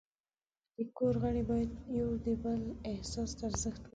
د کور غړي باید د یو بل احساس ته ارزښت ورکړي.